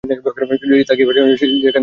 Ridge তাকে বাঁচানোর জন্য সেখানে ঝাঁপ দেয়।